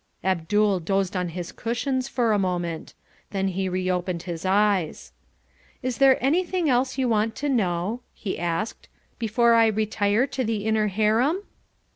Abdul dozed on his cushions for a moment. Then he reopened his eyes. "Is there anything else you want to know," he asked, "before I retire to the Inner Harem?"